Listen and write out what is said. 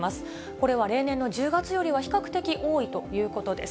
これは例年の１０月よりは比較的多いということです。